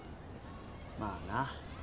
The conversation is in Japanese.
まあな。